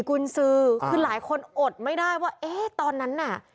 กุญสือคือหลายคนอดไม่ได้ว่าเอ๊ะตอนนั้นน่ะ